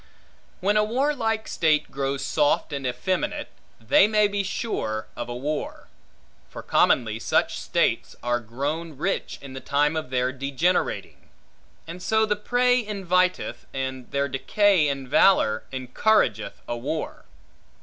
When a warlike state grows soft and effeminate, they may be sure of a war. For commonly such states are grown rich in the time of their degenerating; and so the prey inviteth, and their decay in valor, encourageth a war.